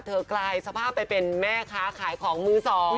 กลายสภาพไปเป็นแม่ค้าขายของมือ๒